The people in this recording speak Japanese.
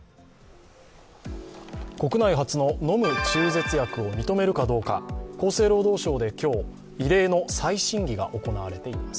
国内初の飲む中絶薬を認めるかどうか、厚生労働省で今日、異例の再審議が行われています。